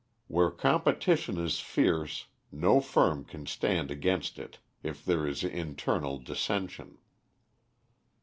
Where competition is fierce no firm can stand against it if there is internal dissension.